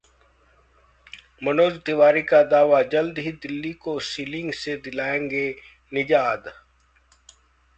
मनोज तिवारी का दावा- जल्द ही दिल्ली को सीलिंग से दिलाएंगे निजात